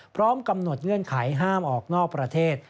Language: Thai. พร้อมกำหนดเงื่อนไขห้ามออกนอกประเทศ